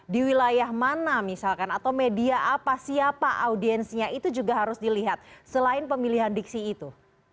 di wilayah mana misalkan atau media apa siapa audiensinya itu juga harus dilihat selain pemilihan diksi itu